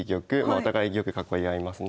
お互い玉囲い合いますね。